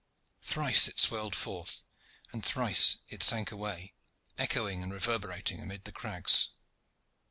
Thrice it swelled forth and thrice it sank away, echoing and reverberating amidst the crags.